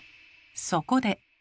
そこで。